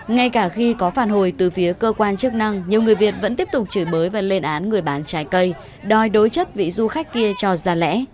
ngay cả khi có phản hồi từ phía cơ quan chức năng nhiều người việt vẫn tiếp tục chửi bới và lên án người bán trái cây đòi đối chất vị du khách kia cho ra lẽ